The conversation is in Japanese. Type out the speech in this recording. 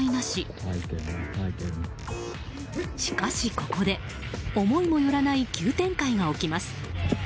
しかし、ここで思いもよらない急展開が起きます。